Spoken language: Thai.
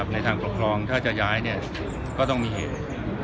ในทางปกครองถ้าจะย้ายก็ต้องมีเหตุ